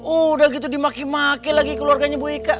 udah gitu dimaki maki lagi keluarganya bu ika